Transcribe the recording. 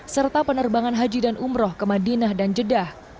serta penerbangan haji dan umroh ke madinah dan jeddah